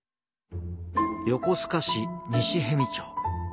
横須賀市西逸見町。